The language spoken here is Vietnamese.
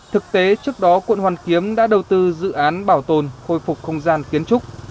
thực tế trước đó quận hoàn kiếm đã đầu tư dự án bảo tồn khôi phục không gian kiến trúc